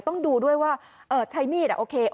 ต้องดูด้วยว่าใช้มีดโอเค